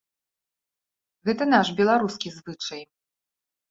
Гэта наш, беларускі звычай.